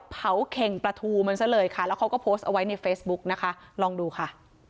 เข่งปลาทูมันซะเลยค่ะแล้วเขาก็โพสต์เอาไว้ในเฟซบุ๊กนะคะลองดูค่ะ